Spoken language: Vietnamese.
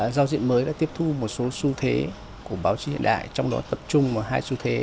giao diện mới đã tiếp thu một số xu thế của báo chí hiện đại trong đó tập trung vào hai xu thế